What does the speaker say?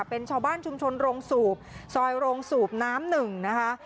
เป็นชาวบ้านชุมชนโรงสูบซอยโรงสูบน้ำหนึ่งนะคะ